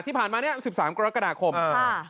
ที่ผ่านมาเนี่ย๑๓กรกฎาคมค่ะ